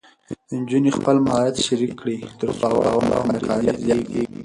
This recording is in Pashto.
نجونې خپل مهارت شریک کړي، تر څو باور او همکاري زیاتېږي.